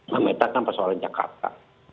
memetakan persoalan jakarta